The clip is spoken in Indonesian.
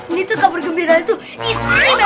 ini tuh kabar gembira itu istimewa